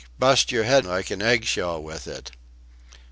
bust your head like an eggshell with it."